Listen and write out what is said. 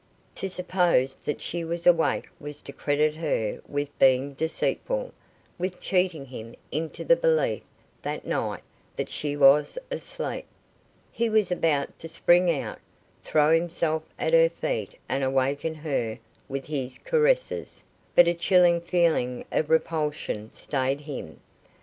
To suppose that she was awake was to credit her with being deceitful with cheating him into the belief that night that she was asleep. He was about to spring out, throw himself at her feet, and waken her with his caresses, but a chilling feeling of repulsion stayed him.